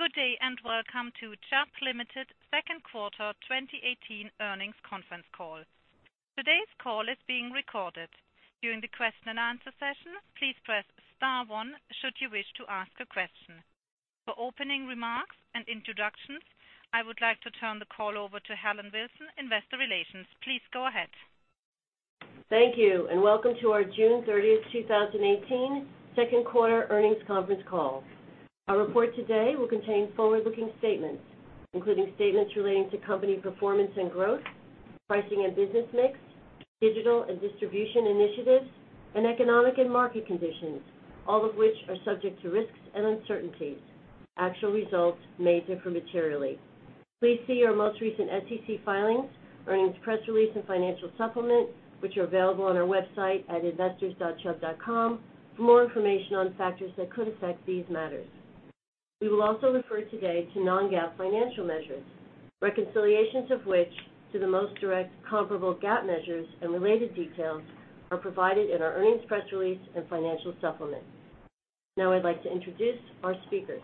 Good day. Welcome to Chubb Limited second quarter 2018 earnings conference call. Today's call is being recorded. During the question and answer session, please press star one should you wish to ask a question. For opening remarks and introductions, I would like to turn the call over to Helen Wilson, investor relations. Please go ahead. Thank you. Welcome to our June 30th, 2018 second quarter earnings conference call. Our report today will contain forward-looking statements, including statements relating to company performance and growth, pricing and business mix, digital and distribution initiatives, and economic and market conditions, all of which are subject to risks and uncertainties. Actual results may differ materially. Please see our most recent SEC filings, earnings press release, and financial supplement, which are available on our website at investors.chubb.com for more information on factors that could affect these matters. We will also refer today to non-GAAP financial measures, reconciliations of which to the most direct comparable GAAP measures and related details are provided in our earnings press release and financial supplement. Now I'd like to introduce our speakers.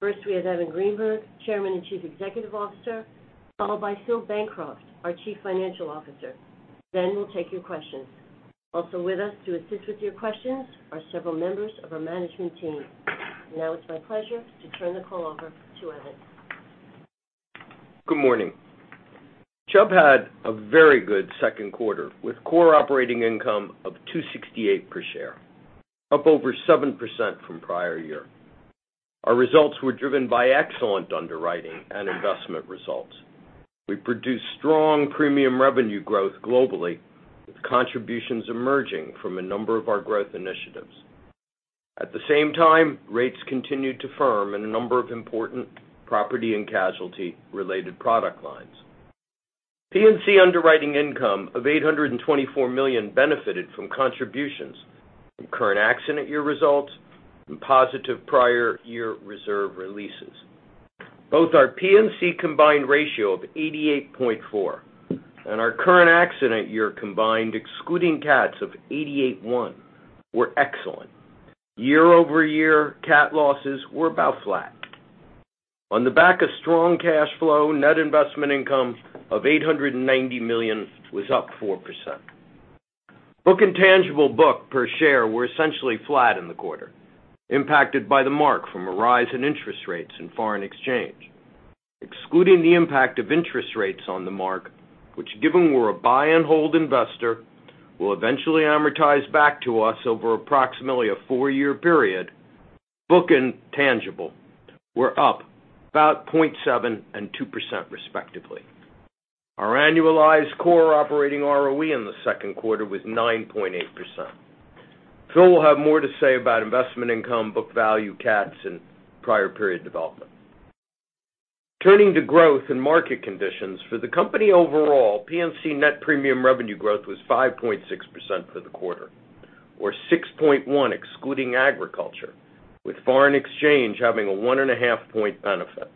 First, we have Evan Greenberg, Chairman and Chief Executive Officer, followed by Philip Bancroft, our Chief Financial Officer. We'll take your questions. Also with us to assist with your questions are several members of our management team. Now it's my pleasure to turn the call over to Evan. Good morning. Chubb had a very good second quarter with core operating income of $268 per share, up over 7% from prior year. Our results were driven by excellent underwriting and investment results. We produced strong premium revenue growth globally, with contributions emerging from a number of our growth initiatives. At the same time, rates continued to firm in a number of important property and casualty-related product lines. P&C underwriting income of $824 million benefited from contributions from current accident year results and positive prior year reserve releases. Both our P&C combined ratio of 88.4% and our current accident year combined, excluding CATs of 88.1%, were excellent. Year-over-year, CAT losses were about flat. On the back of strong cash flow, net investment income of $890 million was up 4%. Book and tangible book per share were essentially flat in the quarter, impacted by the mark from a rise in interest rates and foreign exchange. Excluding the impact of interest rates on the mark, which given we're a buy and hold investor, will eventually amortize back to us over approximately a four-year period, book and tangible were up about 0.7% and 2% respectively. Our annualized core operating ROE in the second quarter was 9.8%. Phil will have more to say about investment income, book value, CATs, and prior period development. Turning to growth and market conditions, for the company overall, P&C net premium revenue growth was 5.6% for the quarter, or 6.1% excluding agriculture, with foreign exchange having a one and a half point benefit.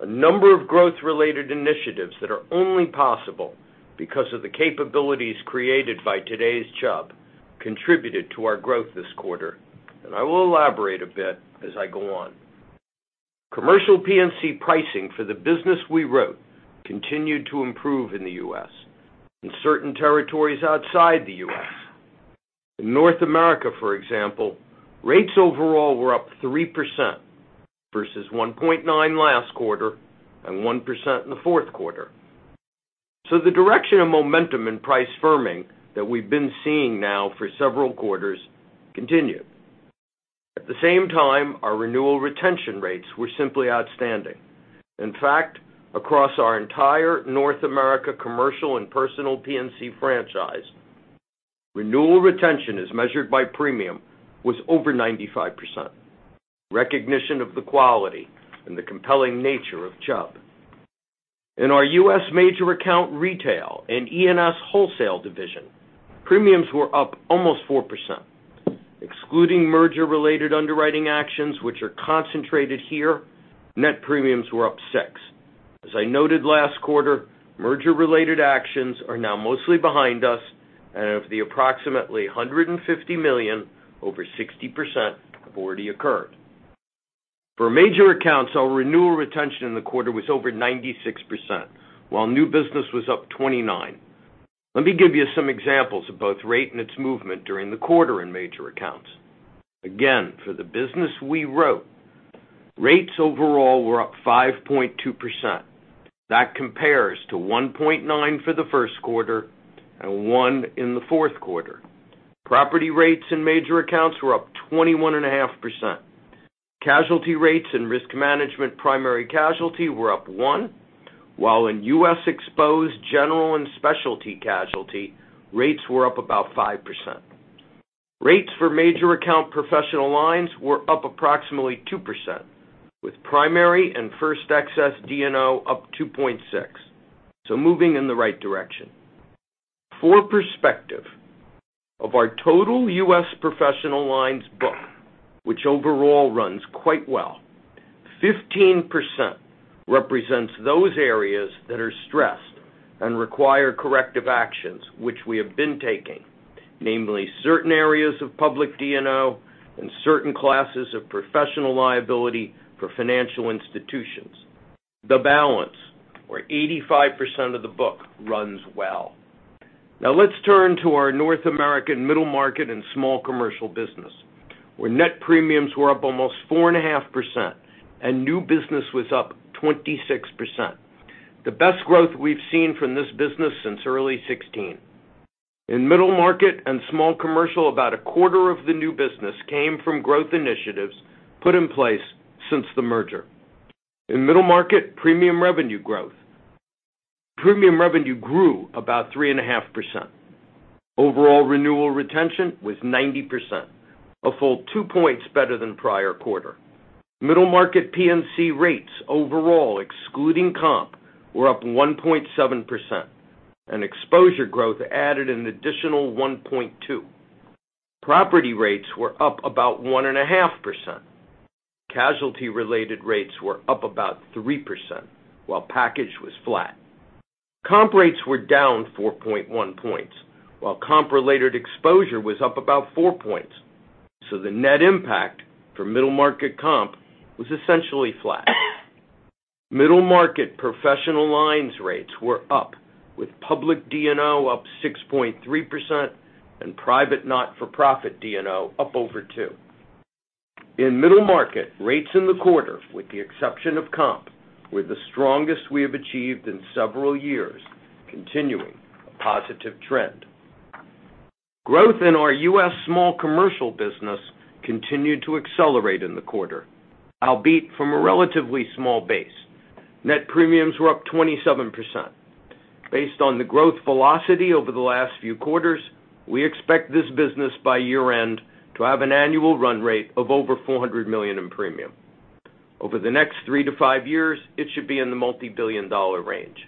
A number of growth-related initiatives that are only possible because of the capabilities created by today's Chubb contributed to our growth this quarter, and I will elaborate a bit as I go on. Commercial P&C pricing for the business we wrote continued to improve in the U.S., in certain territories outside the U.S. In North America, for example, rates overall were up 3% versus 1.9% last quarter and 1% in the fourth quarter. The direction of momentum in price firming that we've been seeing now for several quarters continued. At the same time, our renewal retention rates were simply outstanding. In fact, across our entire North America commercial and personal P&C franchise, renewal retention as measured by premium was over 95%, recognition of the quality and the compelling nature of Chubb. In our U.S. Major Account Retail and E&S Wholesale division, premiums were up almost 4%. Excluding merger-related underwriting actions which are concentrated here, net premiums were up 6%. As I noted last quarter, merger-related actions are now mostly behind us, and of the approximately $150 million, over 60% have already occurred. For major accounts, our renewal retention in the quarter was over 96%, while new business was up 29%. Let me give you some examples of both rate and its movement during the quarter in major accounts. Again, for the business we wrote, rates overall were up 5.2%. That compares to 1.9% for the first quarter and 1% in the fourth quarter. Property rates in major accounts were up 21 and a half percent. Casualty rates and risk management primary casualty were up 1%, while in U.S. exposed general and specialty casualty rates were up about 5%. Rates for major account professional lines were up approximately 2%, with primary and first excess D&O up 2.6%, moving in the right direction. For perspective of our total U.S. professional lines book, which overall runs quite well, 15% represents those areas that are stressed and require corrective actions, which we have been taking, namely certain areas of public D&O and certain classes of professional liability for financial institutions. The balance, where 85% of the book runs well. Let's turn to our North American middle market and small commercial business, where net premiums were up almost 4.5% and new business was up 26%, the best growth we've seen from this business since early 2016. In middle market and small commercial, about a quarter of the new business came from growth initiatives put in place since the merger. In middle market, premium revenue grew about 3.5%. Overall renewal retention was 90%, a full two points better than prior quarter. Middle market P&C rates overall, excluding comp, were up 1.7%, and exposure growth added an additional 1.2%. Property rates were up about 1.5%. Casualty-related rates were up about 3%, while package was flat. Comp rates were down 4.1 points, while comp-related exposure was up about four points. The net impact for middle market comp was essentially flat. Middle market professional lines rates were up, with public D&O up 6.3% and private not-for-profit D&O up over 2%. In middle market, rates in the quarter, with the exception of comp, were the strongest we have achieved in several years, continuing a positive trend. Growth in our U.S. small commercial business continued to accelerate in the quarter, albeit from a relatively small base. Net premiums were up 27%. Based on the growth velocity over the last few quarters, we expect this business by year-end to have an annual run rate of over $400 million in premium. Over the next three to five years, it should be in the multibillion-dollar range.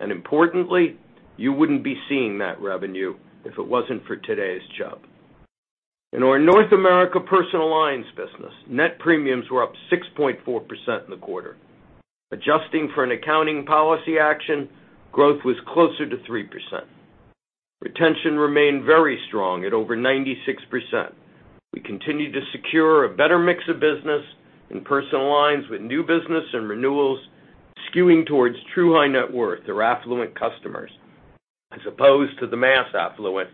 Importantly, you wouldn't be seeing that revenue if it wasn't for today's Chubb. In our North America personal lines business, net premiums were up 6.4% in the quarter. Adjusting for an accounting policy action, growth was closer to 3%. Retention remained very strong at over 96%. We continued to secure a better mix of business in personal lines with new business and renewals skewing towards true high net worth or affluent customers, as opposed to the mass affluent,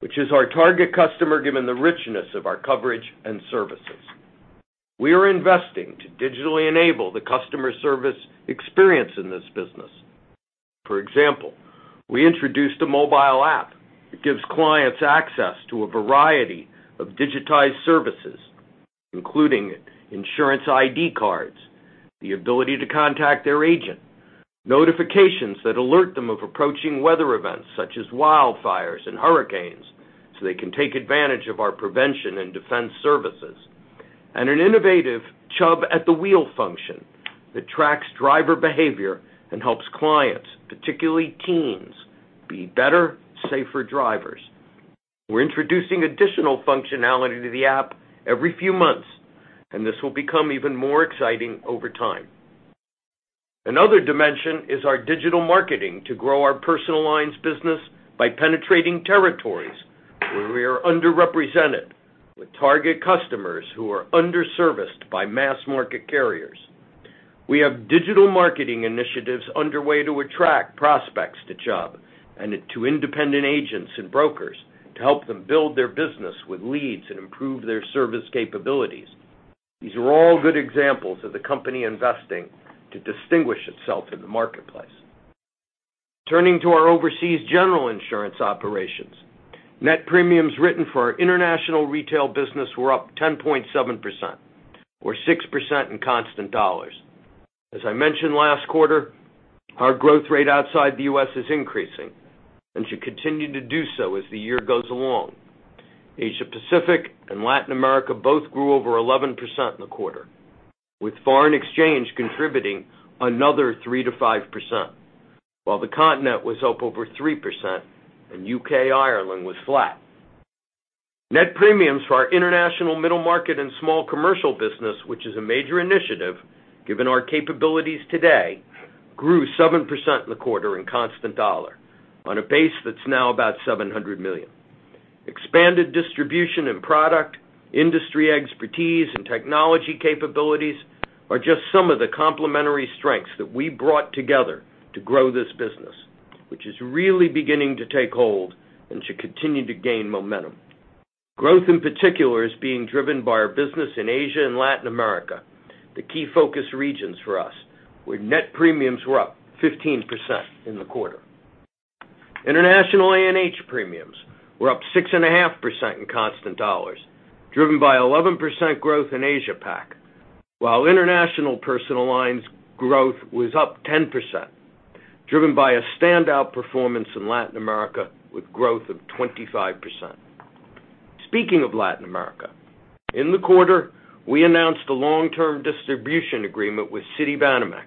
which is our target customer, given the richness of our coverage and services. We are investing to digitally enable the customer service experience in this business. For example, we introduced a mobile app. It gives clients access to a variety of digitized services, including insurance ID cards, the ability to contact their agent, notifications that alert them of approaching weather events such as wildfires and hurricanes so they can take advantage of our prevention and defense services, and an innovative Chubb at the Wheel function that tracks driver behavior and helps clients, particularly teens, be better, safer drivers. We're introducing additional functionality to the app every few months, this will become even more exciting over time. Another dimension is our digital marketing to grow our personal lines business by penetrating territories where we are underrepresented with target customers who are underserviced by mass-market carriers. We have digital marketing initiatives underway to attract prospects to Chubb and to independent agents and brokers to help them build their business with leads and improve their service capabilities. These are all good examples of the company investing to distinguish itself in the marketplace. Turning to our overseas general insurance operations, net premiums written for our international retail business were up 10.7%, or 6% in constant dollars. As I mentioned last quarter, our growth rate outside the U.S. is increasing and should continue to do so as the year goes along. Asia-Pacific and Latin America both grew over 11% in the quarter, with foreign exchange contributing another 3% to 5%, while the continent was up over 3% and U.K., Ireland was flat. Net premiums for our international middle market and small commercial business, which is a major initiative given our capabilities today, grew 7% in the quarter in constant dollar on a base that's now about $700 million. Expanded distribution and product, industry expertise, and technology capabilities are just some of the complementary strengths that we brought together to grow this business, which is really beginning to take hold and should continue to gain momentum. Growth, in particular, is being driven by our business in Asia and Latin America, the key focus regions for us, where net premiums were up 15% in the quarter. International A&H premiums were up 6.5% in constant dollars, driven by 11% growth in Asia-Pac, while international personal lines growth was up 10%, driven by a standout performance in Latin America with growth of 25%. Speaking of Latin America, in the quarter, we announced a long-term distribution agreement with Citibanamex,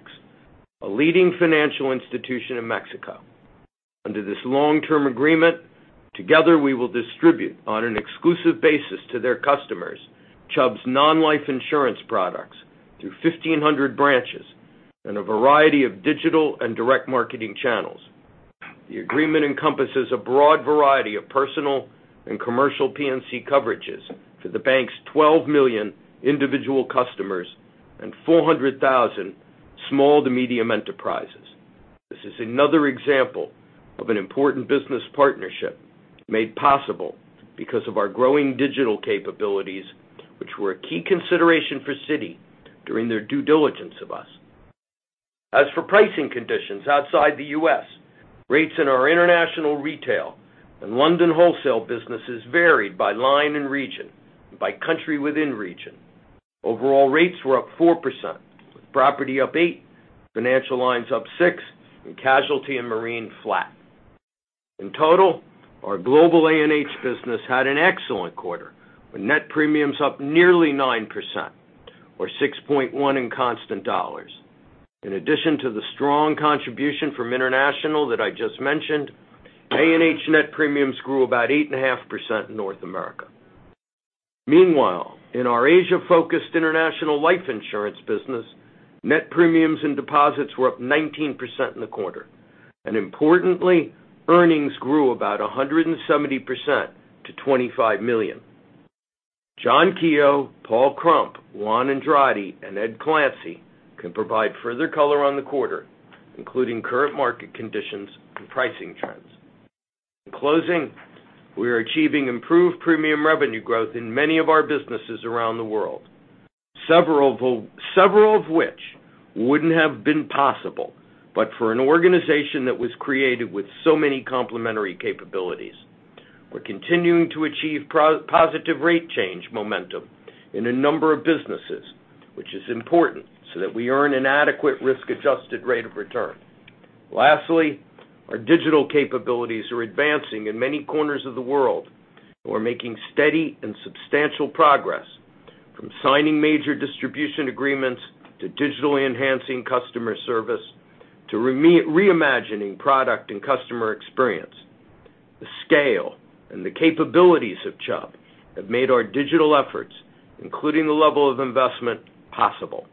a leading financial institution in Mexico. Under this long-term agreement, together, we will distribute on an exclusive basis to their customers Chubb's non-life insurance products through 1,500 branches and a variety of digital and direct marketing channels. The agreement encompasses a broad variety of personal and commercial P&C coverages to the bank's 12 million individual customers and 400,000 small to medium enterprises. This is another example of an important business partnership made possible because of our growing digital capabilities, which were a key consideration for Citi during their due diligence of us. As for pricing conditions outside the U.S., rates in our international retail and London wholesale businesses varied by line and region, by country within region. Overall rates were up 4%, with property up 8%, financial lines up 6%, and casualty and marine flat. In total, our global A&H business had an excellent quarter, with net premiums up nearly 9%, or 6.1% in constant dollars. In addition to the strong contribution from international that I just mentioned, A&H net premiums grew about 8.5% in North America. Meanwhile, in our Asia-focused international life insurance business, net premiums and deposits were up 19% in the quarter. Importantly, earnings grew about 170% to $25 million. John Keogh, Paul Krump, Juan Andrade, and Ed Clancy can provide further color on the quarter, including current market conditions and pricing trends. In closing, we are achieving improved premium revenue growth in many of our businesses around the world, several of which wouldn't have been possible but for an organization that was created with so many complementary capabilities. We're continuing to achieve positive rate change momentum in a number of businesses, which is important so that we earn an adequate risk-adjusted rate of return. Lastly, our digital capabilities are advancing in many corners of the world. We're making steady and substantial progress, from signing major distribution agreements to digitally enhancing customer service, to reimagining product and customer experience. The scale and the capabilities of Chubb have made our digital efforts, including the level of investment, possible.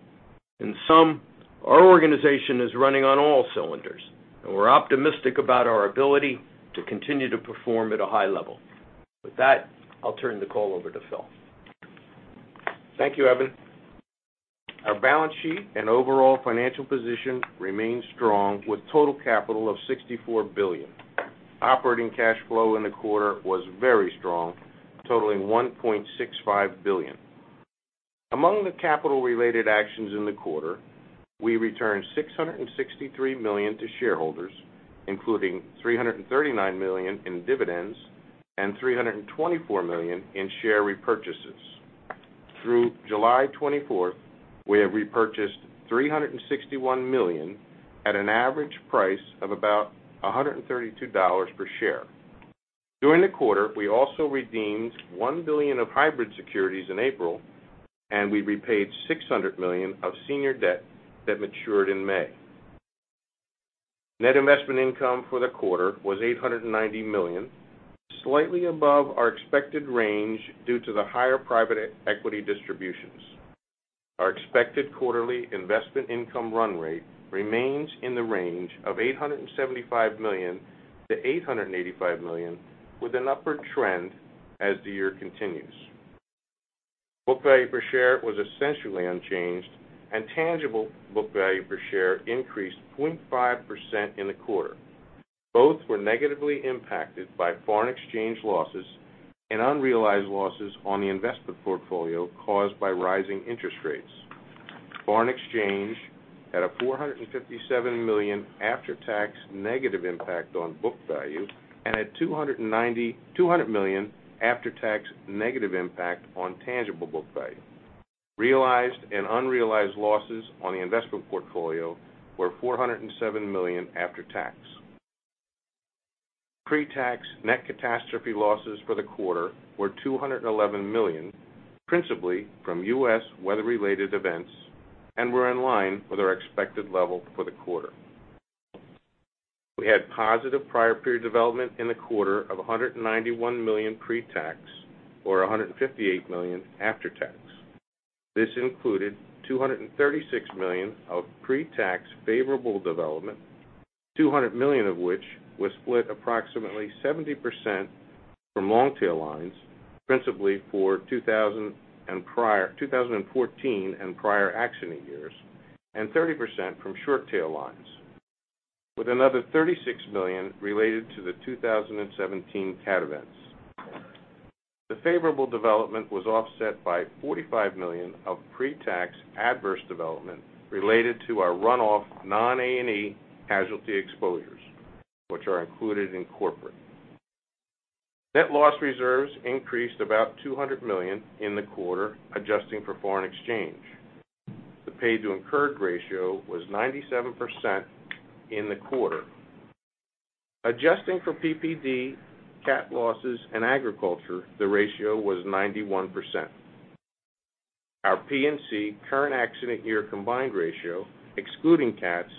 In sum, our organization is running on all cylinders. We're optimistic about our ability to continue to perform at a high level. With that, I'll turn the call over to Phil. Thank you, Evan. Our balance sheet and overall financial position remains strong, with total capital of $64 billion. Operating cash flow in the quarter was very strong, totaling $1.65 billion. Among the capital-related actions in the quarter, we returned $663 million to shareholders, including $339 million in dividends and $324 million in share repurchases. Through July 24th, we have repurchased $361 million at an average price of about $132 per share. During the quarter, we also redeemed $1 billion of hybrid securities in April, and we repaid $600 million of senior debt that matured in May. Net investment income for the quarter was $890 million, slightly above our expected range due to the higher private equity distributions. Our expected quarterly investment income run rate remains in the range of $875 million-$885 million, with an upward trend as the year continues. Book value per share was essentially unchanged, and tangible book value per share increased 0.5% in the quarter. Both were negatively impacted by foreign exchange losses and unrealized losses on the investment portfolio caused by rising interest rates. Foreign exchange, at a $457 million after-tax negative impact on book value and a $200 million after-tax negative impact on tangible book value. Realized and unrealized losses on the investment portfolio were $407 million after tax. Pre-tax net CATs for the quarter were $211 million, principally from U.S. weather-related events, and were in line with our expected level for the quarter. We had positive prior period development in the quarter of $191 million pre-tax, or $158 million after tax. This included $236 million of pre-tax favorable development, $200 million of which was split approximately 70% from long-tail lines, principally for 2014 and prior accident years, and 30% from short-tail lines, with another $36 million related to the 2017 CATs. The favorable development was offset by $45 million of pre-tax adverse development related to our runoff non-A&E casualty exposures, which are included in corporate. Net loss reserves increased about $200 million in the quarter, adjusting for foreign exchange. The paid to incurred ratio was 97% in the quarter. Adjusting for PPD, CATs, and agriculture, the ratio was 91%. Our P&C current accident year combined ratio, excluding CATs,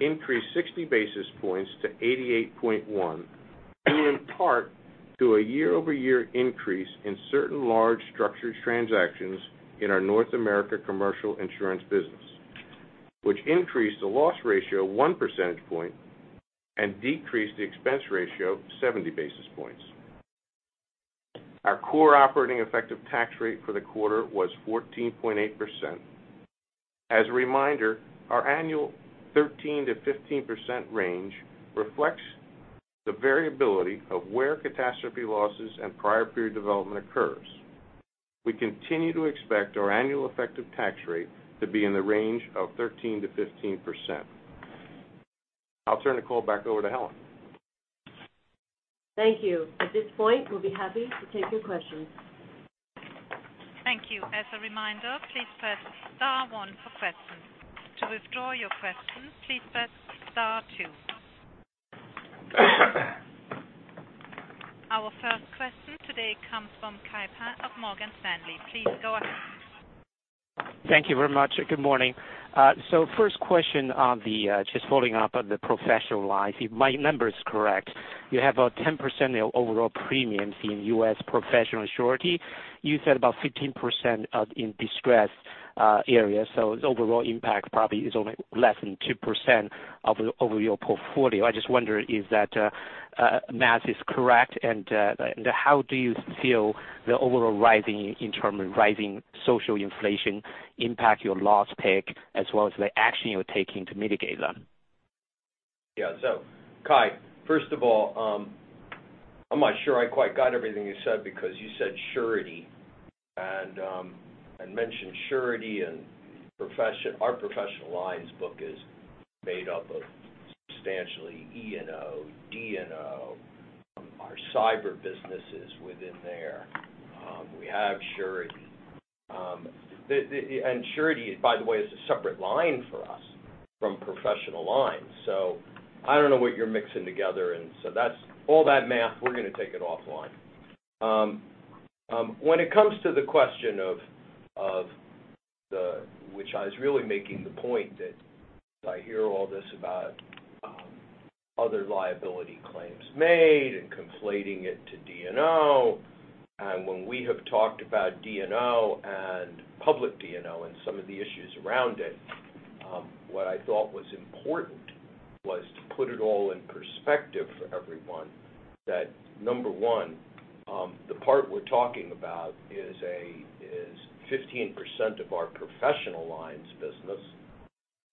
increased 60 basis points to 88.1, due in part to a year-over-year increase in certain large structured transactions in our North America commercial insurance business, which increased the loss ratio one percentage point and decreased the expense ratio 70 basis points. Our core operating effective tax rate for the quarter was 14.8%. As a reminder, our annual 13%-15% range reflects the variability of where catastrophe losses and prior period development occurs. We continue to expect our annual effective tax rate to be in the range of 13%-15%. I'll turn the call back over to Helen. Thank you. At this point, we'll be happy to take your questions. Thank you. As a reminder, please press star one for questions. To withdraw your question, please press star two. Our first question today comes from Kai Pan of Morgan Stanley. Please go ahead. Thank you very much. Good morning. First question on the, just following up on the professional lines. If my number is correct, you have a 10% overall premiums in U.S. professional surety. You said about 15% in distressed areas. Its overall impact probably is only less than 2% of your portfolio. I just wonder if that math is correct, and how do you feel the overall rising in terms of rising social inflation impact your loss pick, as well as the action you're taking to mitigate them? Yeah. Kai, first of all, I'm not sure I quite got everything you said because you said surety and mentioned surety and profession. Our professional lines book is made up of substantially E&O, D&O. Our cyber business is within there. We have surety. Surety, by the way, is a separate line for us from professional lines. I don't know what you're mixing together and so that's all that math, we're going to take it offline. When it comes to the question of which I was really making the point that I hear all this about other liability claims made and conflating it to D&O. When we have talked about D&O and public D&O and some of the issues around it, what I thought was important was to put it all in perspective for everyone. Number one, the part we're talking about is 15% of our professional lines business.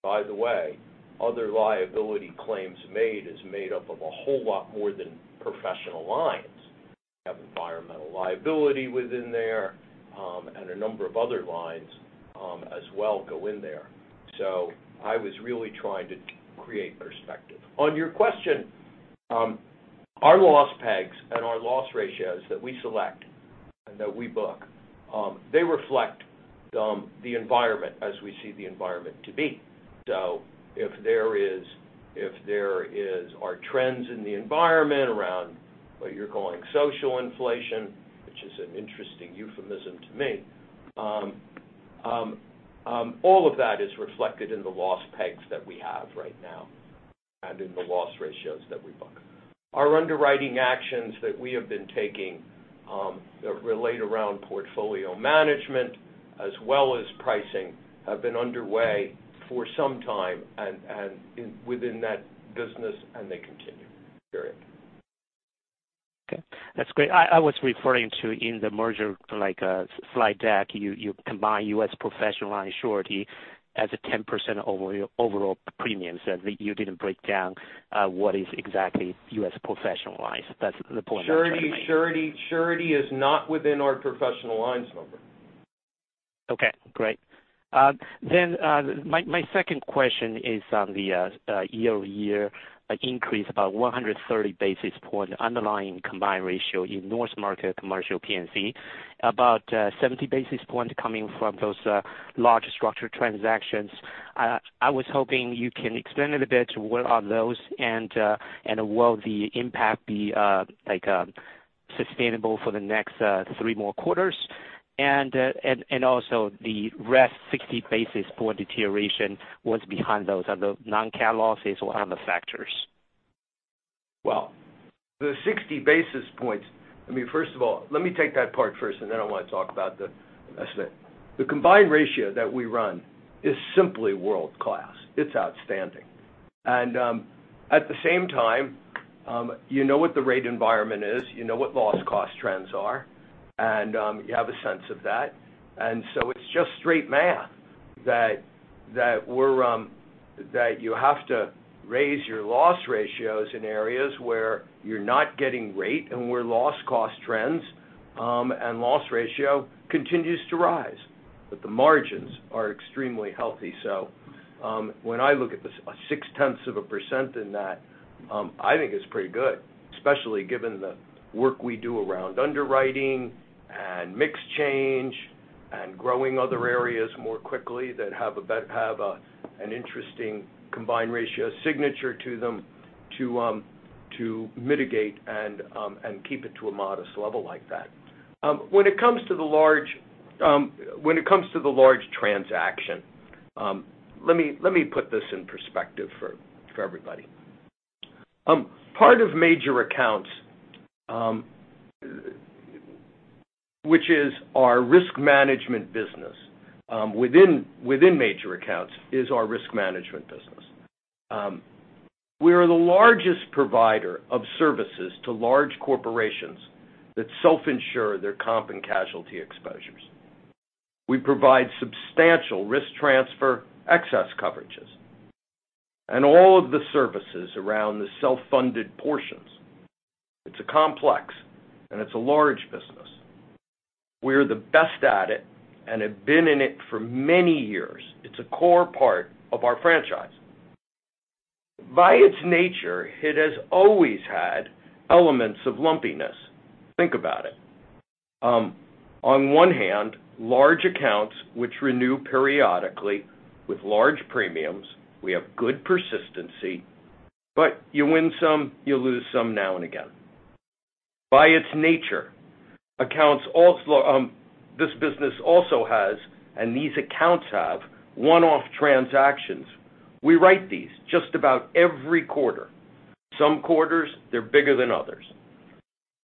By the way, other liability claims made is made up of a whole lot more than professional lines. We have environmental liability within there, and a number of other lines as well go in there. I was really trying to create perspective. On your question, our loss pegs and our loss ratios that we select and that we book, they reflect the environment as we see the environment to be. If there are trends in the environment around what you're calling social inflation, which is an interesting euphemism to me, all of that is reflected in the loss pegs that we have right now and in the loss ratios that we book. Our underwriting actions that we have been taking, that relate around portfolio management as well as pricing, have been underway for some time and within that business, and they continue. Period. Okay. That's great. I was referring to in the merger, like a slide deck, you combine U.S. professional and surety as a 10% of overall premiums, that you didn't break down what is exactly U.S. professional lines. That's the point I'm trying to make. Surety is not within our professional lines number. My second question is on the year-over-year increase of 130 basis points underlying combined ratio in North America Commercial P&C, about 70 basis points coming from those large structured transactions. I was hoping you can explain it a bit, what are those and will the impact be sustainable for the next three more quarters? The rest, 60 basis points deterioration. What's behind those? Are they non-CAT losses or other factors? Well, the 60 basis points. I mean, first of all, let me take that part first, and then I want to talk about the rest of it. The combined ratio that we run is simply world-class. It's outstanding. At the same time, you know what the rate environment is, you know what loss cost trends are, and you have a sense of that. It's just straight math that you have to raise your loss ratios in areas where you're not getting rate and where loss cost trends, and loss ratio continues to rise. The margins are extremely healthy. When I look at the six tenths of a percent in that, I think it's pretty good, especially given the work we do around underwriting and mix change and growing other areas more quickly that have an interesting combined ratio signature to them. To mitigate and keep it to a modest level like that. When it comes to the large transaction, let me put this in perspective for everybody. Part of Major Accounts, which is our risk management business, within Major Accounts is our risk management business. We are the largest provider of services to large corporations that self-insure their comp and casualty exposures. We provide substantial risk transfer excess coverages, and all of the services around the self-funded portions. It's a complex and it's a large business. We are the best at it and have been in it for many years. It's a core part of our franchise. By its nature, it has always had elements of lumpiness. Think about it. On one hand, large accounts which renew periodically with large premiums, we have good persistency, but you win some, you lose some now and again. By its nature, this business also has, and these accounts have one-off transactions. We write these just about every quarter. Some quarters, they're bigger than others.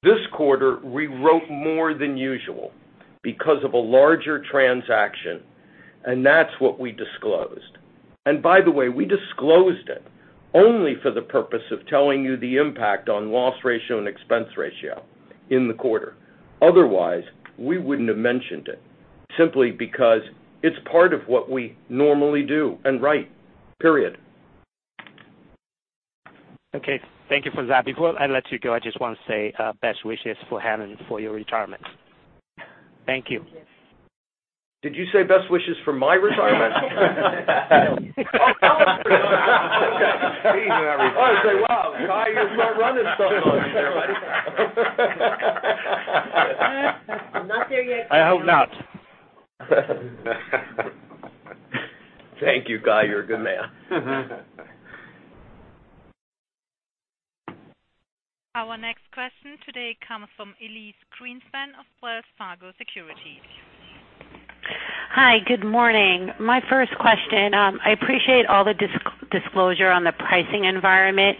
This quarter, we wrote more than usual because of a larger transaction, and that's what we disclosed. By the way, we disclosed it only for the purpose of telling you the impact on loss ratio and expense ratio in the quarter. Otherwise, we wouldn't have mentioned it simply because it's part of what we normally do and write. Period. Okay. Thank you for that. Before I let you go, I just want to say best wishes for Helen for your retirement. Thank you. Did you say best wishes for my retirement? Oh, that was pretty I say, wow, Kai, you start running so well, buddy. I'm not there yet. I hope not. Thank you, Kai. You're a good man. Our next question today comes from Elyse Greenspan of Wells Fargo Securities. Hi. Good morning. My first question, I appreciate all the disclosure on the pricing environment.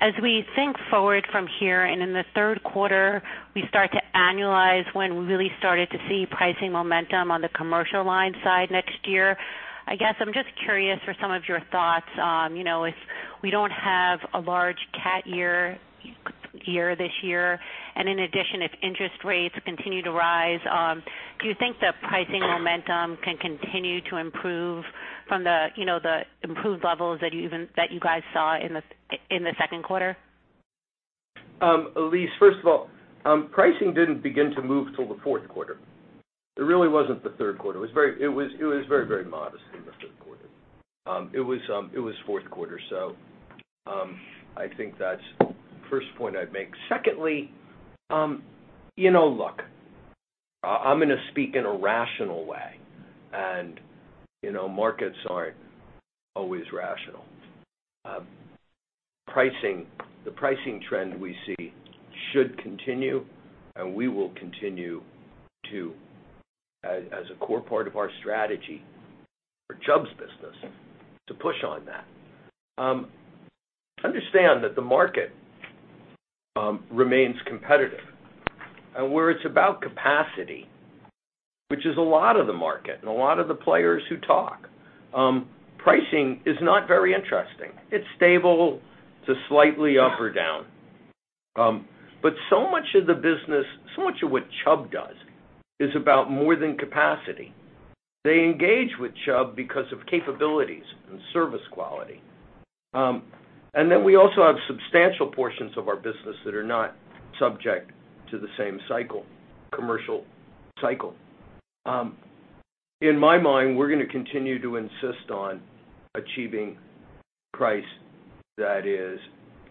As we think forward from here and in the third quarter, we start to annualize when we really started to see pricing momentum on the commercial line side next year. I guess I'm just curious for some of your thoughts, if we don't have a large CAT year this year, in addition, if interest rates continue to rise, do you think the pricing momentum can continue to improve from the improved levels that you guys saw in the second quarter? Elyse, first of all, pricing didn't begin to move till the fourth quarter. It really wasn't the third quarter. It was very modest in the third quarter. It was fourth quarter. I think that's first point I'd make. Secondly, look, I'm going to speak in a rational way, and markets aren't always rational. The pricing trend we see should continue, and we will continue to, as a core part of our strategy for Chubb's business, to push on that. Understand that the market remains competitive, and where it's about capacity, which is a lot of the market and a lot of the players who talk, pricing is not very interesting. It's stable to slightly up or down. So much of the business, so much of what Chubb does is about more than capacity. They engage with Chubb because of capabilities and service quality. We also have substantial portions of our business that are not subject to the same commercial cycle. In my mind, we're going to continue to insist on achieving price that is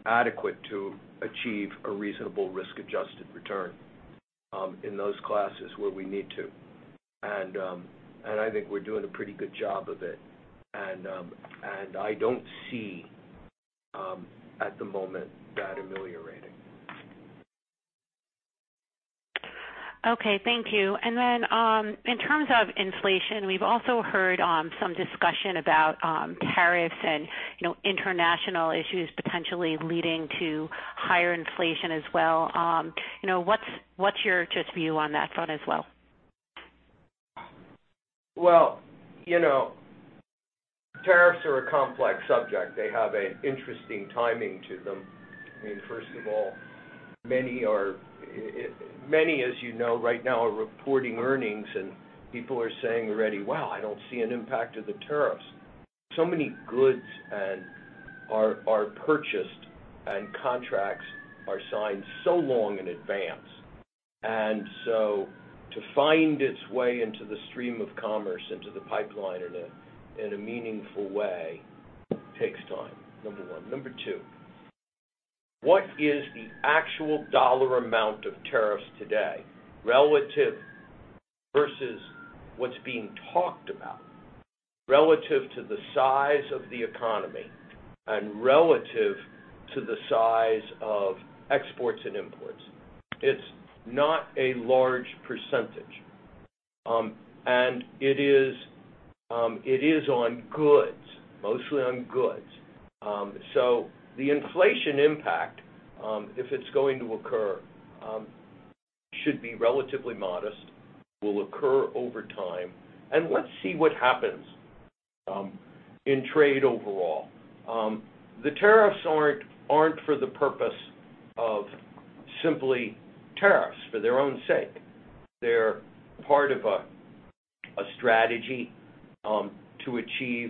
adequate to achieve a reasonable risk-adjusted return, in those classes where we need to. I think we're doing a pretty good job of it. I don't see, at the moment that ameliorating. Okay, thank you. In terms of inflation, we've also heard some discussion about tariffs and international issues potentially leading to higher inflation as well. What's your just view on that front as well? Well, tariffs are a complex subject. They have an interesting timing to them. First of all, many as you know right now are reporting earnings. People are saying already, "Wow, I don't see an impact of the tariffs." Many goods are purchased and contracts are signed so long in advance. To find its way into the stream of commerce, into the pipeline in a meaningful way takes time, number one. Number two, what is the actual dollar amount of tariffs today relative- Versus what's being talked about relative to the size of the economy and relative to the size of exports and imports. It's not a large %. It is on goods, mostly on goods. The inflation impact, if it's going to occur, should be relatively modest, will occur over time. Let's see what happens in trade overall. The tariffs aren't for the purpose of simply tariffs for their own sake. They're part of a strategy to achieve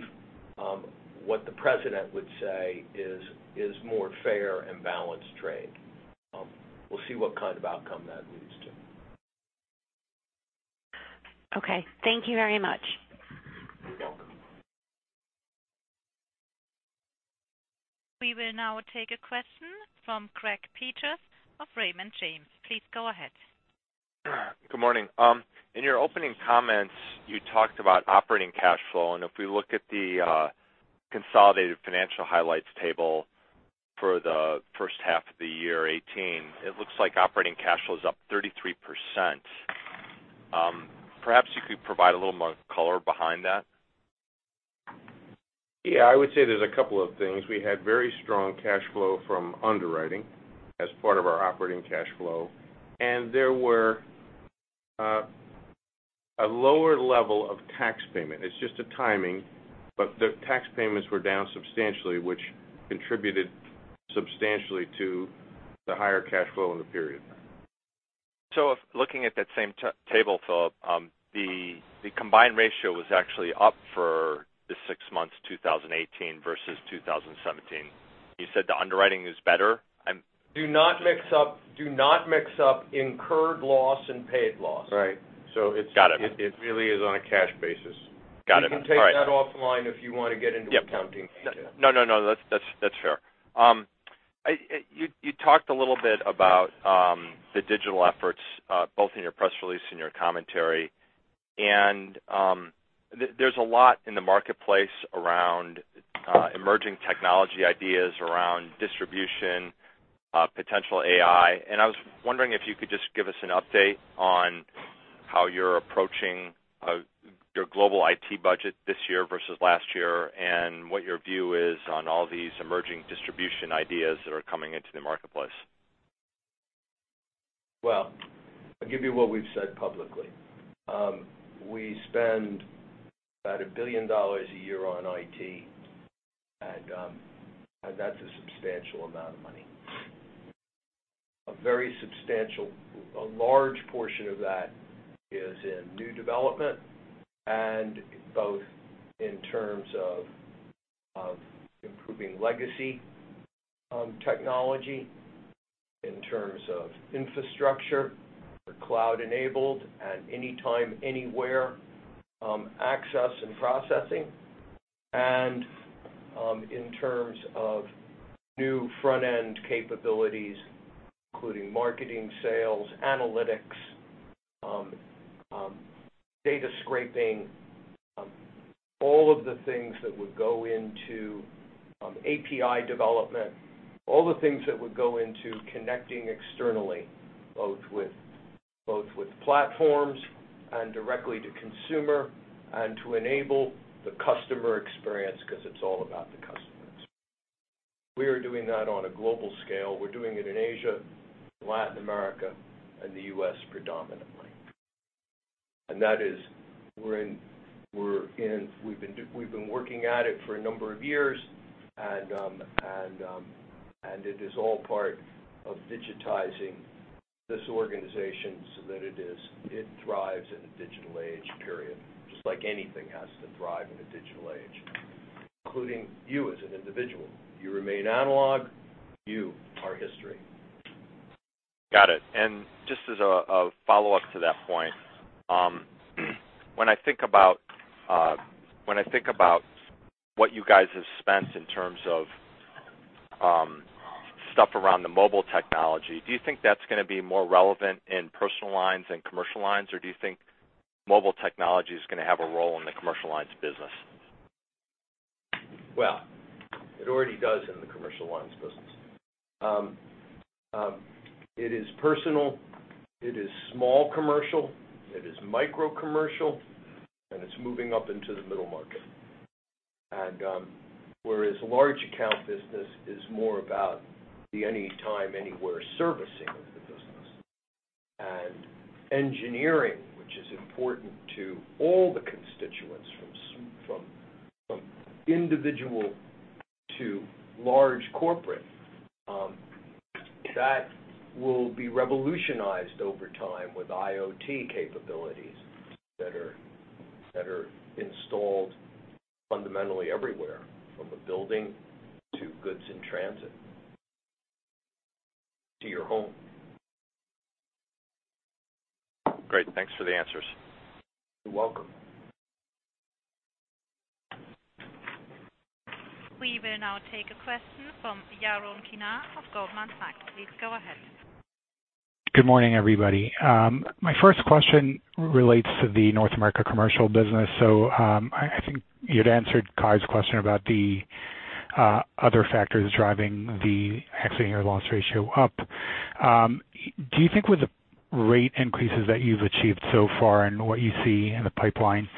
what the president would say is more fair and balanced trade. We'll see what kind of outcome that leads to. Okay. Thank you very much. You're welcome. We will now take a question from Greg Peters of Raymond James. Please go ahead. Good morning. In your opening comments, you talked about operating cash flow, and if we look at the consolidated financial highlights table for the first half of the year 2018, it looks like operating cash flow is up 33%. Perhaps you could provide a little more color behind that. Yeah, I would say there's a couple of things. We had very strong cash flow from underwriting as part of our operating cash flow, and there were a lower level of tax payment. It's just a timing, but the tax payments were down substantially, which contributed substantially to the higher cash flow in the period. Looking at that same table, Philip, the combined ratio was actually up for the six months 2018 versus 2017. You said the underwriting is better. Do not mix up incurred loss and paid loss. Right. Got it. It really is on a cash basis. Got it. All right. You can take that offline if you want to get into accounting detail. No, that's fair. You talked a little bit about the digital efforts, both in your press release and your commentary. There's a lot in the marketplace around emerging technology ideas, around distribution, potential AI. I was wondering if you could just give us an update on how you're approaching your global IT budget this year versus last year, and what your view is on all these emerging distribution ideas that are coming into the marketplace. Well, I'll give you what we've said publicly. We spend about $1 billion a year on IT, that's a substantial amount of money. A large portion of that is in new development and both in terms of improving legacy technology, in terms of infrastructure for cloud-enabled and anytime, anywhere access and processing, and in terms of new front-end capabilities, including marketing, sales, analytics, data scraping, API development, all of the things that would go into connecting externally, both with platforms and directly to consumer, and to enable the customer experience, because it's all about the customer experience. We are doing that on a global scale. We're doing it in Asia, Latin America, and the U.S. predominantly. We've been working at it for a number of years, and it is all part of digitizing this organization so that it thrives in a digital age, period. Just like anything has to thrive in a digital age, including you as an individual. You remain analog, you are history. Got it. Just as a follow-up to that point, when I think about what you guys have spent in terms of stuff around the mobile technology, do you think that's going to be more relevant in personal lines than commercial lines? Do you think mobile technology is going to have a role in the commercial lines business? Well, it already does in the commercial lines business. It is personal, it is small commercial, it is micro commercial, and it's moving up into the middle market. Whereas large account business is more about the anytime, anywhere servicing of the business. Engineering, which is important to all the constituents, from individual to large corporate, that will be revolutionized over time with IoT capabilities that are installed fundamentally everywhere, from a building to goods in transit, to your home. Great. Thanks for the answers. You're welcome. We will now take a question from Yaron Kinar of Goldman Sachs. Please go ahead. Good morning, everybody. My first question relates to the North America commercial business. I think you'd answered Kai's question about the other factors driving the accident year loss ratio up. Do you think with the rate increases that you've achieved so far and what you see in the pipeline,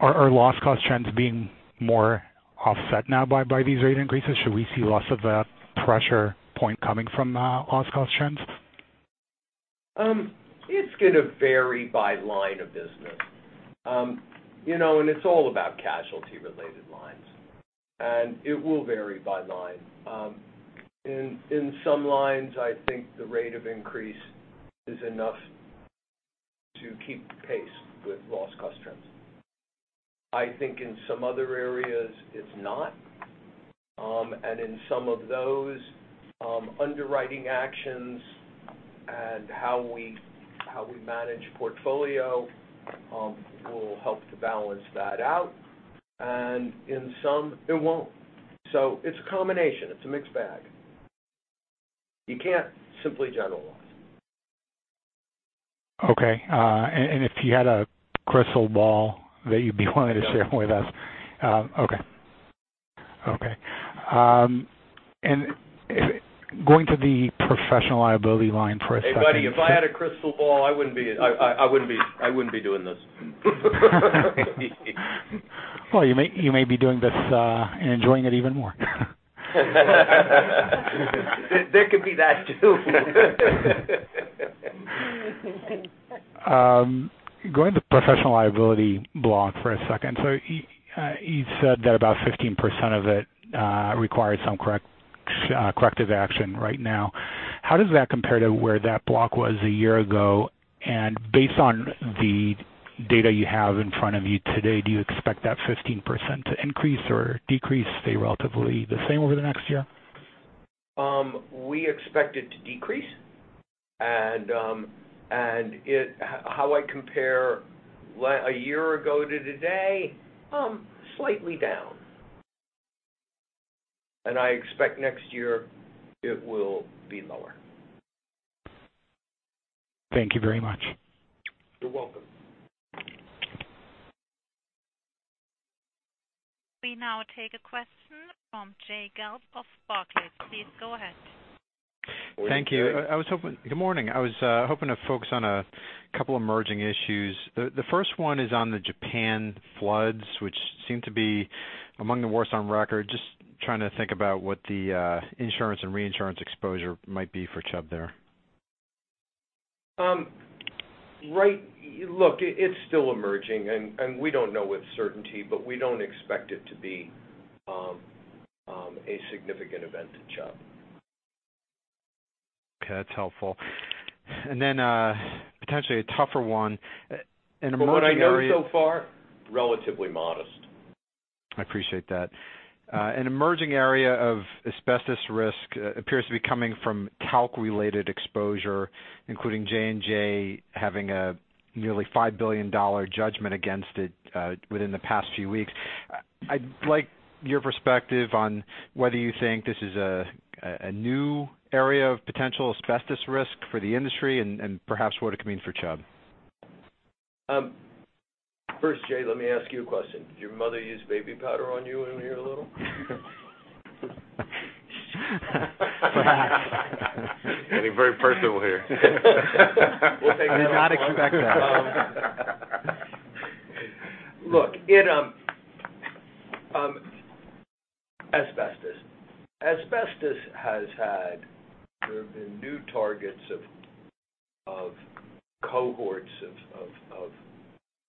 are loss cost trends being more offset now by these rate increases? Should we see less of that pressure point coming from loss cost trends? It's going to vary by line of business. It's all about casualty-related lines. It will vary by line. In some lines, I think the rate of increase is enough to keep pace with loss cost trends. I think in some other areas, it's not. In some of those, underwriting actions and how we manage portfolio will help to balance that out. In some, it won't. It's a combination. It's a mixed bag. You can't simply generalize. Okay. If you had a crystal ball that you'd be willing to share with us? No. Okay. going to the professional liability line for a second. Hey, buddy, if I had a crystal ball, I wouldn't be doing this. Well, you may be doing this and enjoying it even more. There could be that, too. Going to professional liability block for a second. You said that about 15% of it requires some corrective action right now. How does that compare to where that block was a year ago? Based on the data you have in front of you today, do you expect that 15% to increase or decrease, stay relatively the same over the next year? We expect it to decrease. How I compare a year ago to today, slightly down. I expect next year it will be lower. Thank you very much. You're welcome. We now take a question from Jay Gelb of Barclays. Please go ahead. Morning, Jay. Thank you. Good morning. I was hoping to focus on a two emerging issues. The first one is on the Japan floods, which seem to be among the worst on record. Just trying to think about what the insurance and reinsurance exposure might be for Chubb there. Look, it's still emerging. We don't know with certainty, we don't expect it to be a significant event to Chubb. Okay. That's helpful. Then, potentially a tougher one. An emerging area- From what I know so far, relatively modest. I appreciate that. An emerging area of asbestos risk appears to be coming from talc-related exposure, including J&J having a nearly $5 billion judgment against it within the past few weeks. I'd like your perspective on whether you think this is a new area of potential asbestos risk for the industry and perhaps what it could mean for Chubb. First, Jay, let me ask you a question. Did your mother use baby powder on you when you were little? Getting very personal here. I did not expect that. Look. Asbestos. Asbestos has had sort of the new targets of cohorts of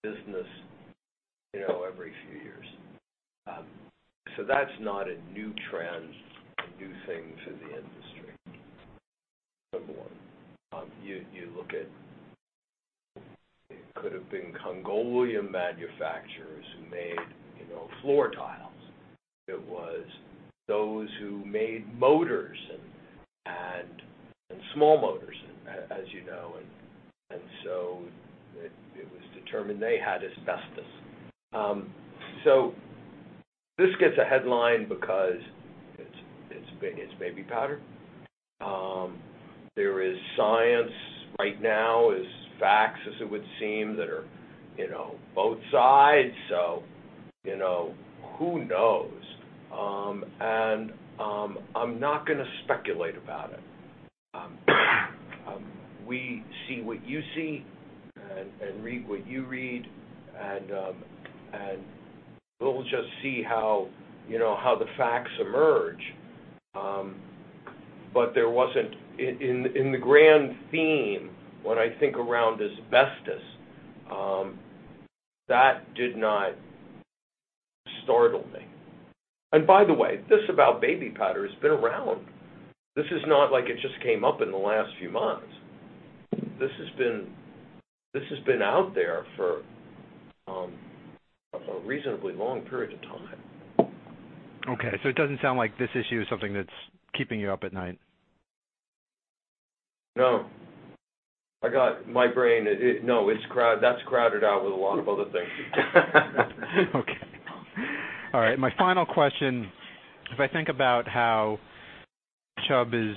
business every few years. That's not a new trend, a new thing to the industry. Number one. You look at, it could have been Congoleum manufacturers who made floor tiles. It was those who made motors and small motors, as you know, it was determined they had asbestos. This gets a headline because it's baby powder. There is science right now, is facts as it would seem, that are both sides. Who knows? I'm not going to speculate about it. We see what you see and read what you read, and we'll just see how the facts emerge. There wasn't, in the grand theme, when I think around asbestos, that did not startle me. By the way, this about baby powder has been around. This is not like it just came up in the last few months. This has been out there for a reasonably long period of time. Okay. It doesn't sound like this issue is something that's keeping you up at night? No. My brain, no, that's crowded out with a lot of other things. Okay. All right, my final question, if I think about how Chubb has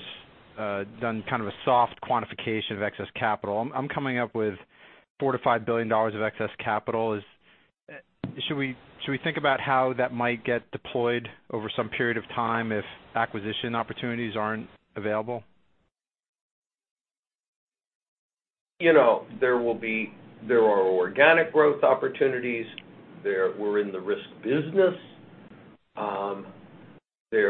done kind of a soft quantification of excess capital, I'm coming up with $4 billion-$5 billion of excess capital. Should we think about how that might get deployed over some period of time if acquisition opportunities aren't available? There are organic growth opportunities. We're in the risk business. There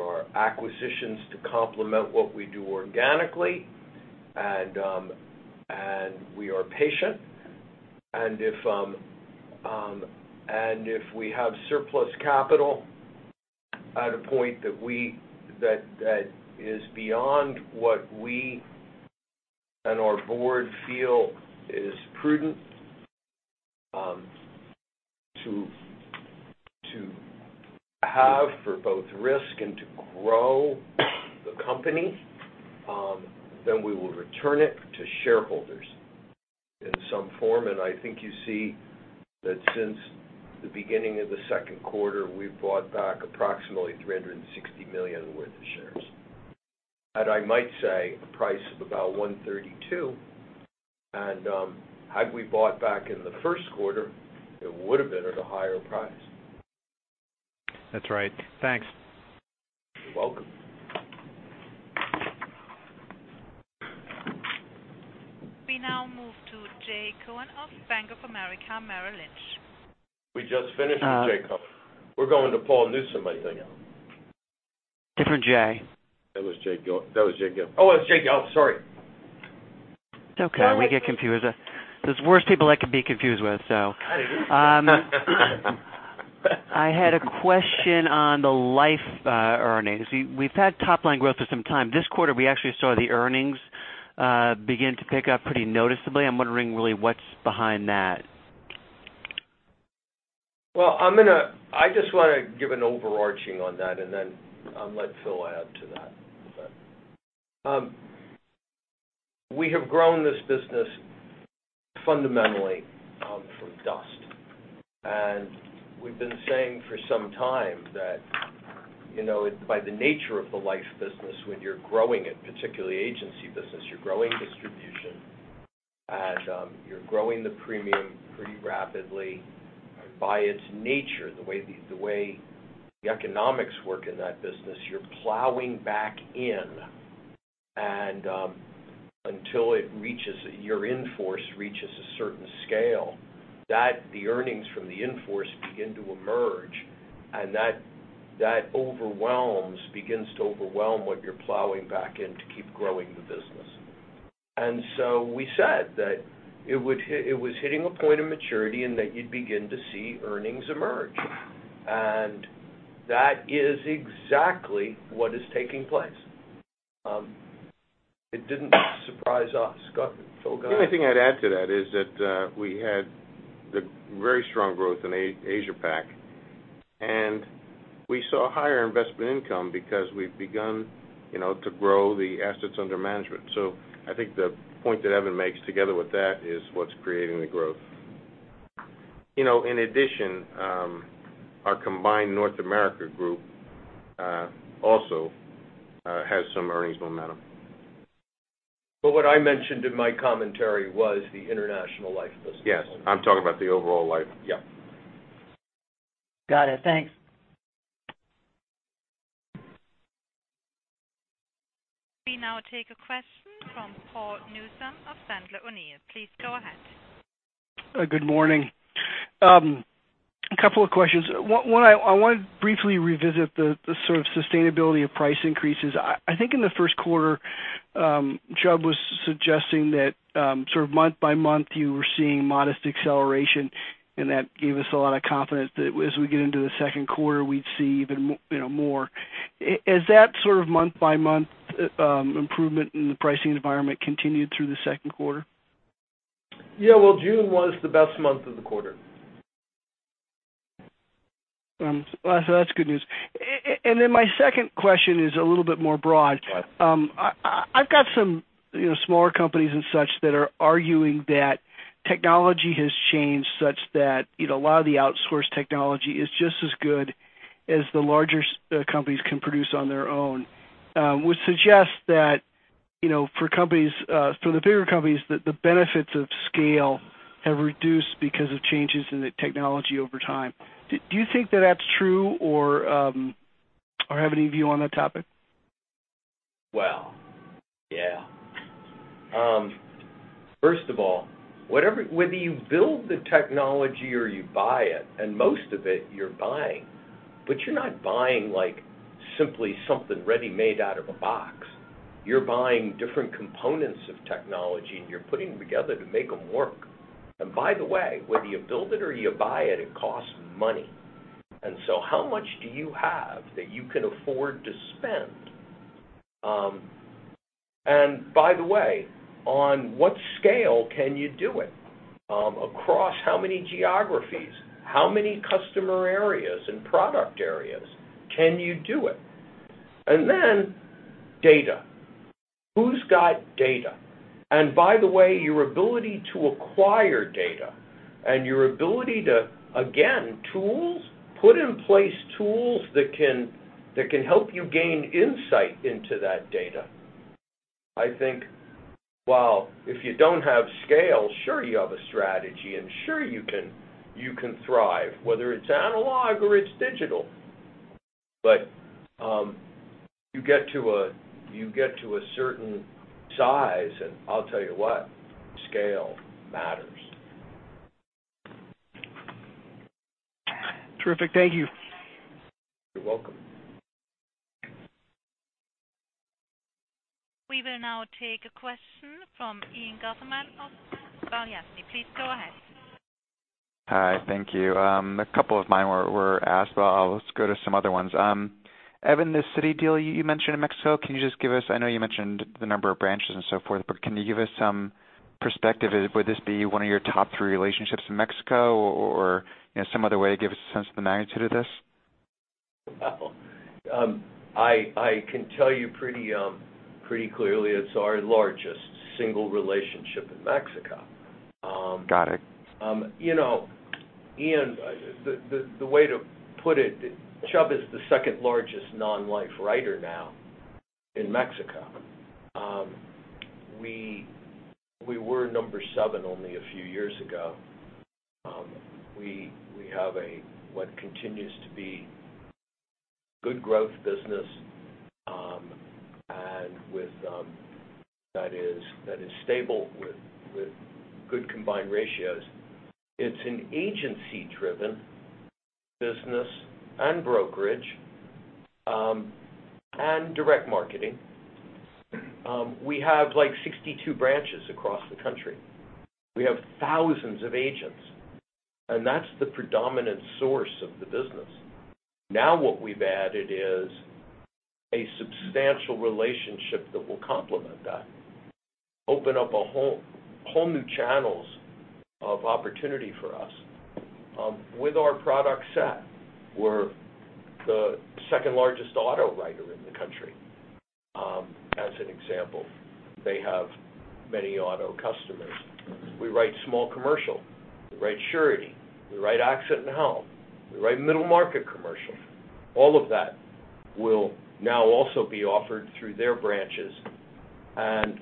are acquisitions to complement what we do organically, we are patient. If we have surplus capital at a point that is beyond what we and our board feel is prudent to have for both risk and to grow the company, we will return it to shareholders in some form. I think you see that since the beginning of the second quarter, we've bought back approximately $360 million worth of shares. I might say a price of about $132, and had we bought back in the first quarter, it would have been at a higher price. That's right. Thanks. You're welcome. We now move to Jay Cohen of Bank of America Merrill Lynch. We just finished with Jay Cohen. We're going to Paul Newsome, I think. Different Jay. That was Jay Gelb. Oh, it's Jay Gelb, sorry. It's okay. We get confused. There's worse people I could be confused with, so. I had a question on the life earnings. We've had top-line growth for some time. This quarter, we actually saw the earnings begin to pick up pretty noticeably. I'm wondering really what's behind that. Well, I just want to give an overarching on that and then let Philip add to that. We have grown this business fundamentally from dust. We've been saying for some time that by the nature of the life business, when you're growing it, particularly agency business, you're growing distribution and you're growing the premium pretty rapidly. By its nature, the way the economics work in that business, you're plowing back in, and until your in-force reaches a certain scale, the earnings from the in-force begin to emerge, and that begins to overwhelm what you're plowing back in to keep growing the business. We said that it was hitting a point of maturity and that you'd begin to see earnings emerge. That is exactly what is taking place. It didn't surprise us. Go ahead, Philip. The only thing I'd add to that is that we had the very strong growth in Asia Pac. We saw higher investment income because we've begun to grow the assets under management. I think the point that Evan makes together with that is what's creating the growth. In addition, our combined North America group also has some earnings momentum. What I mentioned in my commentary was the international life business. Yes. I'm talking about the overall life. Yeah. Got it. Thanks. We now take a question from Paul Newsome of Sandler O'Neill. Please go ahead. Good morning. A couple of questions. One, I want to briefly revisit the sort of sustainability of price increases. I think in the first quarter Chubb was suggesting that sort of month by month you were seeing modest acceleration, and that gave us a lot of confidence that as we get into the second quarter, we'd see even more. Has that sort of month by month improvement in the pricing environment continued through the second quarter? Yeah. Well, June was the best month of the quarter. That's good news. Then my second question is a little bit more broad. Right. I've got some smaller companies and such that are arguing that technology has changed such that a lot of the outsourced technology is just as good as the larger companies can produce on their own. Would suggest that for the bigger companies, that the benefits of scale have reduced because of changes in the technology over time. Do you think that that's true, or have any view on that topic? Well, yeah. First of all, whether you build the technology or you buy it, and most of it you're buying, but you're not buying simply something ready-made out of a box. You're buying different components of technology, and you're putting them together to make them work. By the way, whether you build it or you buy it costs money. How much do you have that you can afford to spend? By the way, on what scale can you do it? Across how many geographies? How many customer areas and product areas can you do it? Then data. Who's got data? By the way, your ability to acquire data and your ability to, again, tools, put in place tools that can help you gain insight into that data. I think while if you don't have scale, sure, you have a strategy, and sure you can thrive, whether it's analog or it's digital. You get to a certain size, and I'll tell you what, scale matters. Terrific. Thank you. You're welcome. We will now take a question from Ian Gutterman of Balyasny. Please go ahead. Hi. Thank you. A couple of mine were asked, but I'll just go to some other ones. Evan, the Citi deal you mentioned in Mexico, can you just give us, I know you mentioned the number of branches and so forth, but can you give us some perspective? Would this be one of your top three relationships in Mexico or some other way to give us a sense of the magnitude of this? Well, I can tell you pretty clearly it's our largest single relationship in Mexico. Got it. Ian, the way to put it, Chubb is the second largest non-life writer now in Mexico. We were number 7 only a few years ago. We have what continues to be good growth business, and that is stable with good combined ratios. It's an agency-driven business and brokerage, and direct marketing. We have like 62 branches across the country. We have thousands of agents. That's the predominant source of the business. What we've added is a substantial relationship that will complement that, open up whole new channels of opportunity for us with our product set. We're the second-largest auto writer in the country, as an example. They have many auto customers. We write small commercial, we write surety, we write accident and health, we write middle market commercial. All of that will now also be offered through their branches and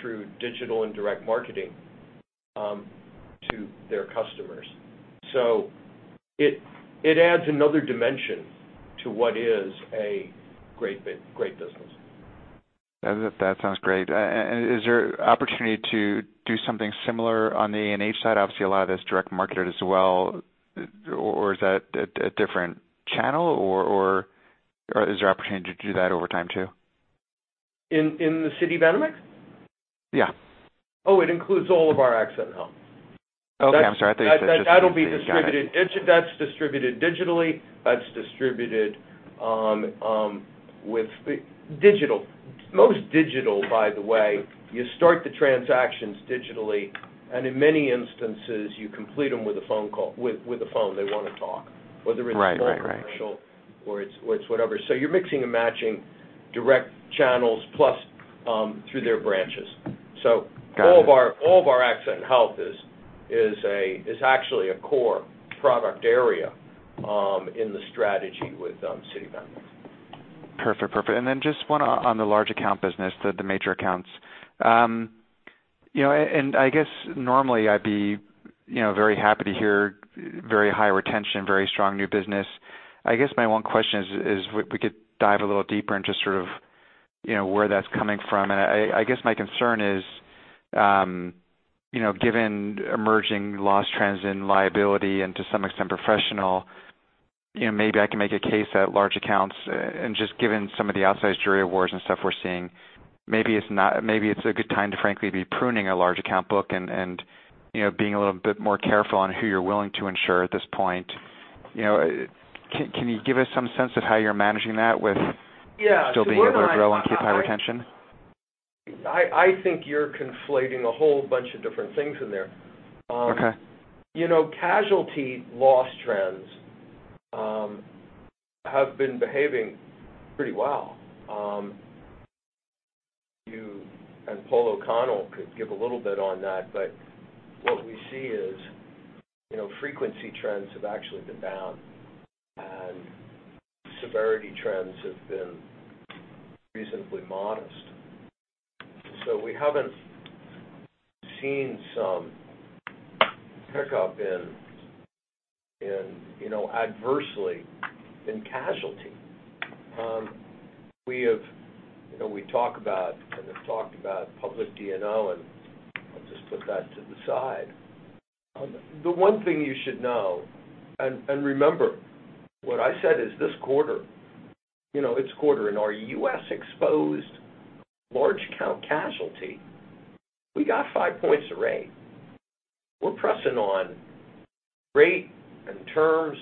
through digital and direct marketing to their customers. It adds another dimension to what is a great business. That sounds great. Is there opportunity to do something similar on the A&H side? Obviously, a lot of that's direct marketed as well. Is that a different channel, or is there opportunity to do that over time, too? In the Citibanamex? Yeah. Oh, it includes all of our accident health. Okay, I'm sorry. I thought you said. That'll be distributed. Got it. That's distributed digitally. That's distributed with digital. Most digital, by the way, you start the transactions digitally, and in many instances, you complete them with a phone call, with a phone. They want to talk. Right. Whether it's small commercial or it's whatever. You're mixing and matching direct channels plus through their branches. Got it. All of our accident and health is actually a core product area in the strategy with Citibanamex. Perfect. Just one on the large account business, the major accounts. I guess normally I'd be very happy to hear very high retention, very strong new business. I guess my one question is if we could dive a little deeper into sort of where that's coming from. I guess my concern is, given emerging loss trends and liability and to some extent professional, maybe I can make a case that large accounts and just given some of the outsized jury awards and stuff we're seeing, maybe it's a good time to frankly be pruning a large account book and being a little bit more careful on who you're willing to insure at this point. Can you give us some sense of how you're managing that with- Yeah. Still being able to grow and keep high retention? I think you're conflating a whole bunch of different things in there. Okay. Casualty loss trends have been behaving pretty well. You and Paul O'Connell could give a little bit on that, but what we see is frequency trends have actually been down, and severity trends have been reasonably modest. We haven't seen some pickup adversely in casualty. We talk about, and have talked about public D&O, and I'll just put that to the side. The one thing you should know, and remember, what I said is this quarter, it's quarter in our U.S. exposed large count casualty, we got 5 points of rate. We're pressing on rate and terms.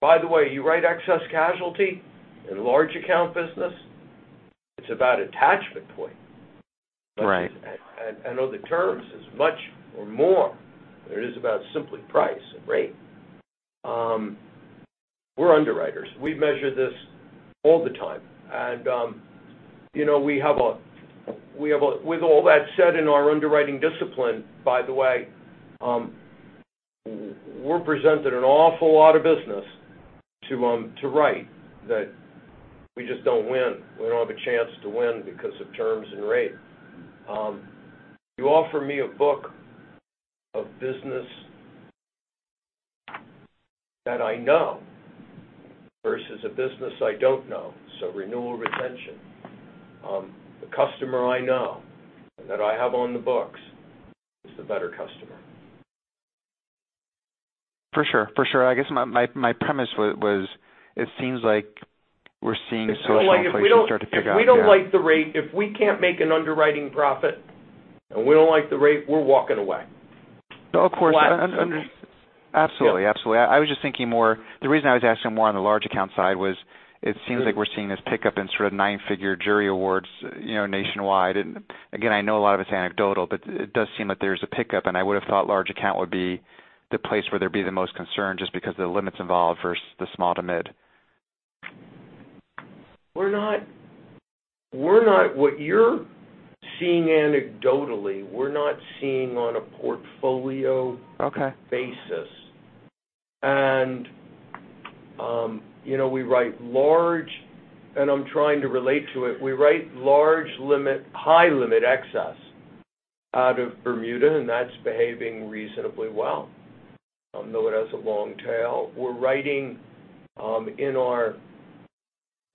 By the way, you write excess casualty in large account business, it's about attachment point. Right. On the terms as much or more than it is about simply price and rate. We're underwriters. We measure this all the time. With all that said in our underwriting discipline, by the way, we're presented an awful lot of business to write that we just don't win. We don't have a chance to win because of terms and rate. You offer me a book of business that I know versus a business I don't know, so renewal retention. The customer I know and that I have on the books is the better customer. For sure. I guess my premise was it seems like we're seeing social inflation start to pick up, yeah. If we don't like the rate, if we can't make an underwriting profit, and we don't like the rate, we're walking away. No, of course. Flat. Absolutely. Yeah. I was just thinking more, the reason I was asking more on the large account side was it seems like we're seeing this pickup in sort of nine-figure jury awards nationwide. Again, I know a lot of it's anecdotal, but it does seem that there's a pickup, and I would have thought large account would be the place where there'd be the most concern, just because of the limits involved versus the small to mid. What you're seeing anecdotally, we're not seeing on a portfolio- Okay basis. We write large, and I'm trying to relate to it, we write large limit, high limit excess out of Bermuda, and that's behaving reasonably well, although it has a long tail. We're writing in our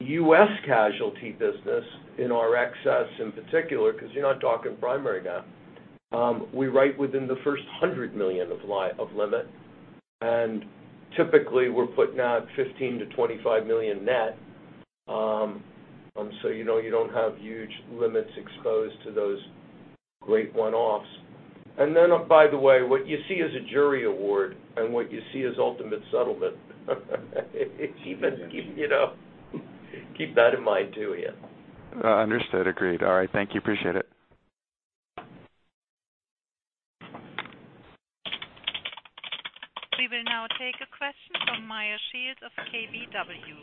U.S. casualty business, in our excess in particular, because you're not talking primary now. We write within the first 100 million of limit, and typically we're putting out $15 million-$25 million net. You don't have huge limits exposed to those great one-offs. Then, by the way, what you see as a jury award and what you see as ultimate settlement, keep that in mind too, Ian. Understood. Agreed. All right. Thank you. Appreciate it. We will now take a question from Meyer Shields of KBW.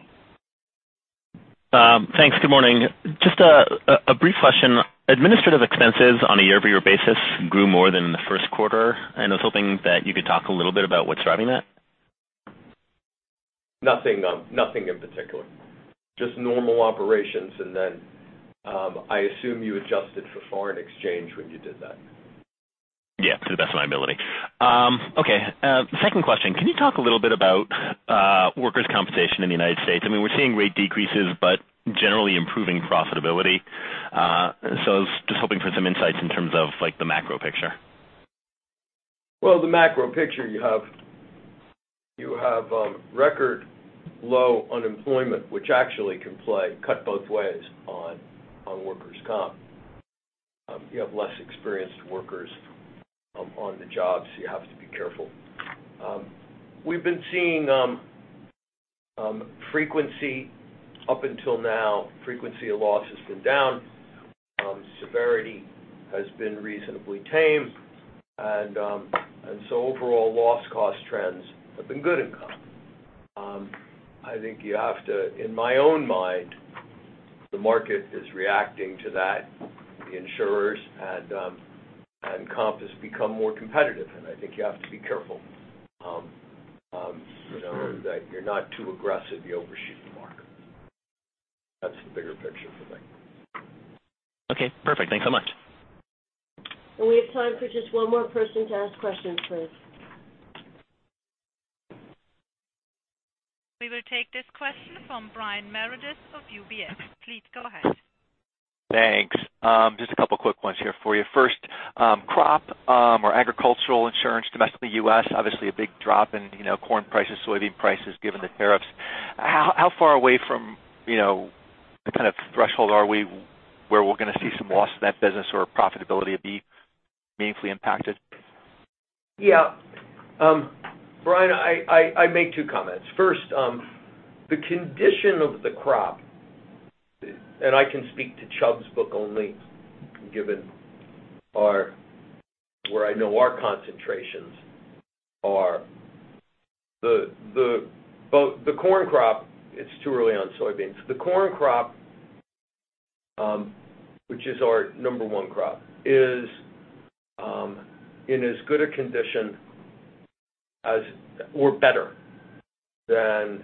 Thanks. Good morning. Just a brief question. Administrative expenses on a year-over-year basis grew more than in the first quarter, I was hoping that you could talk a little bit about what's driving that. Nothing in particular. Just normal operations, then I assume you adjusted for foreign exchange when you did that. Yeah, to the best of my ability. Okay. Second question. Can you talk a little bit about workers' compensation in the U.S.? We're seeing rate decreases, generally improving profitability. I was just hoping for some insights in terms of the macro picture. Well, the macro picture, you have record low unemployment, which actually can play, cut both ways on workers' comp. You have less experienced workers on the job, so you have to be careful. We've been seeing frequency up until now, frequency of loss has been down. Severity has been reasonably tame. Overall loss cost trends have been good in comp. I think you have to, in my own mind, the market is reacting to that. The insurers and comp has become more competitive, I think you have to be careful that you're not too aggressive, you overshoot the market. That's the bigger picture for me. Okay, perfect. Thanks so much. We have time for just one more person to ask questions, please. We will take this question from Brian Meredith of UBS. Please go ahead. Thanks. Just a couple of quick ones here for you. First, crop or agricultural insurance domestically U.S., obviously a big drop in corn prices, soybean prices given the tariffs. How far away from the kind of threshold are we where we're going to see some loss in that business or profitability be meaningfully impacted? Yeah. Brian, I make two comments. First, the condition of the crop, and I can speak to Chubb's book only given where I know our concentrations are. The corn crop, it's too early on soybeans. The corn crop, which is our number one crop, is in as good a condition or better than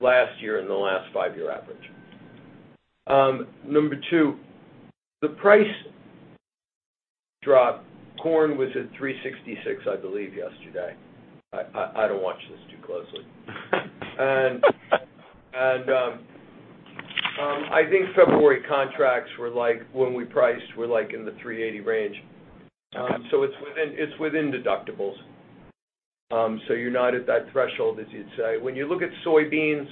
last year and the last five-year average. Number two, the price drop, corn was at $3.66, I believe yesterday. I don't watch this too closely. I think February contracts were like, when we priced, were like in the $3.80 range. Okay. It's within deductibles. You're not at that threshold, as you'd say. When you look at soybeans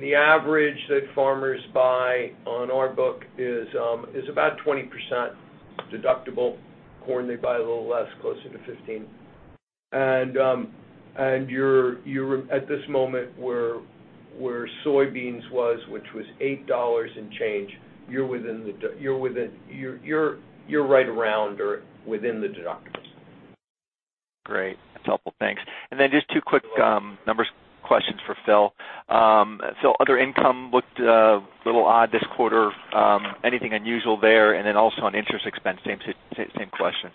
The average that farmers buy on our book is about 20% deductible. Corn, they buy a little less, closer to 15. At this moment, where soybeans was, which was $8 and change, you're right around or within the deductibles. Great. That's helpful. Thanks. Just two quick numbers questions for Phil. Phil, other income looked a little odd this quarter. Anything unusual there? Also on interest expense, same question.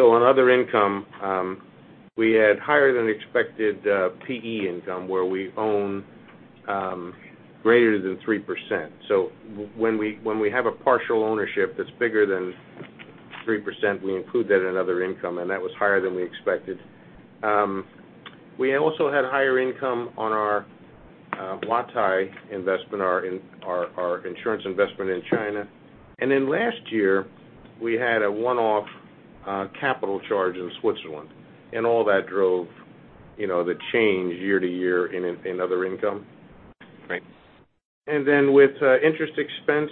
On other income, we had higher than expected PE income where we own greater than 3%. When we have a partial ownership that's bigger than 3%, we include that in other income, and that was higher than we expected. We also had higher income on our Huatai investment, our insurance investment in China. Last year, we had a one-off capital charge in Switzerland, and all that drove the change year to year in other income. Right. With interest expense,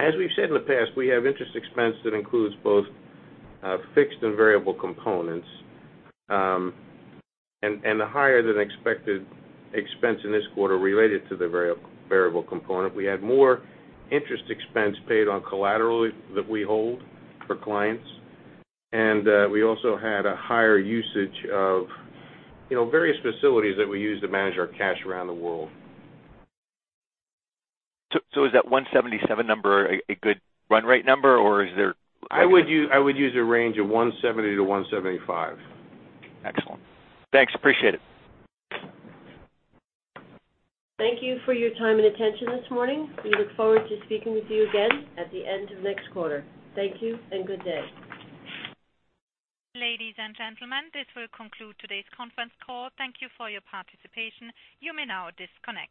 as we've said in the past, we have interest expense that includes both fixed and variable components, and the higher than expected expense in this quarter related to the variable component. We had more interest expense paid on collateral that we hold for clients. We also had a higher usage of various facilities that we use to manage our cash around the world. Is that 177 number a good run rate number? I would use a range of 170 to 175. Excellent. Thanks. Appreciate it. Thank you for your time and attention this morning. We look forward to speaking with you again at the end of next quarter. Thank you and good day. Ladies and gentlemen, this will conclude today's conference call. Thank you for your participation. You may now disconnect.